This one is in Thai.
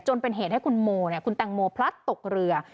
เป็นเหตุให้คุณโมคุณแตงโมพลัดตกเรือ